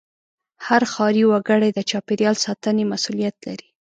هر ښاري وګړی د چاپېریال ساتنې مسوولیت لري.